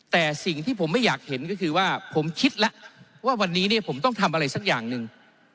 แต่สิ่งที่ผมไม่อยากเห็นก็คือว่าผมคิดแล้วว่าวันนี้เนี่ยผมต้องทำอะไรสักอย่างหนึ่ง